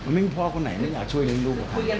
มันไม่มีพ่อคนไหนไม่อยากช่วยเลี้ยงลูกหรอกครับ